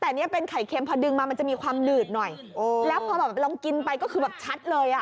แต่เนี่ยเป็นไข่เค็มพอดึงมามันจะมีความหนืดหน่อยโอ้แล้วพอแบบลองกินไปก็คือแบบชัดเลยอ่ะ